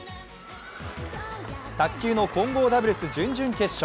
卓球の混合ダブルス準々決勝。